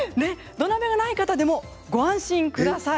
土鍋がない方でもご安心ください。